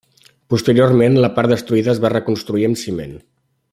Posteriorment la part destruïda es va reconstruir amb ciment.